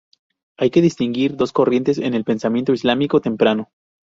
Hay que distinguir dos corrientes en el pensamiento islámico temprano.